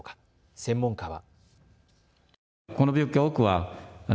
専門家は。